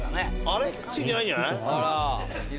あれっついてないんじゃない？